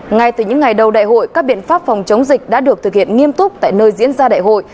ngay từ những ngày đầu đại hội các biện pháp phòng chống dịch đã được thực hiện nghiêm túc tại nơi diễn ra đại hội